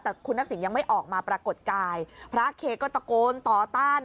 แต่คุณทักษิณยังไม่ออกมาปรากฏกายพระเคก็ตะโกนต่อต้าน